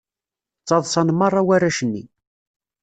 Ttaḍsan meṛṛa warrac-nni.